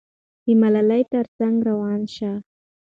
د ملالۍ تر څنګ روان شه.